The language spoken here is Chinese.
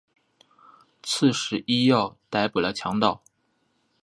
刺史尹耀逮捕了强盗。